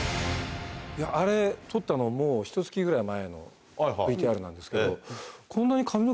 あれ撮ったのもうひと月ぐらい前のＶＴＲなんですけど。